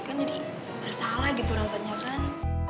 kan jadi bersalah gitu rasanya kan